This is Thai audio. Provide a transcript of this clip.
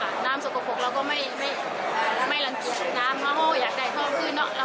เราก็เคยเคยเคยกลมทองเสียนะคะ